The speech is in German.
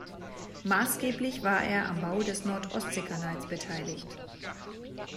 Maßgeblich war er am Bau des Nord-Ostsee-Kanals beteiligt.